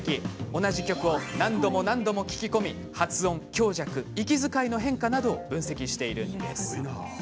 同じ曲を何度も何度も聴き込み発音や強弱や息遣いの変化などを分析しているんです。